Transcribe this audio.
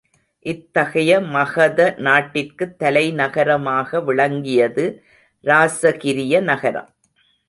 இத்தகைய மகத நாட்டிற்குத் தலைநகரமாக விளங்கியது இராசகிரிய நகரம்.